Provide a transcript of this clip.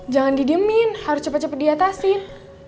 jangan didiemin harus cepet cepet diatasin